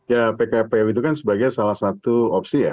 ya pkpu itu kan sebagai salah satu opsi ya